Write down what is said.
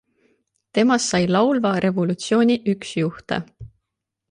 Temast sai laulva revolutsiooni üks juhte.